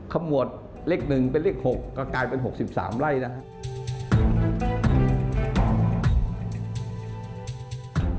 ขมวดเลข๑เป็นเลข๖ก็กลายเป็น๖๓ไร่นะครับ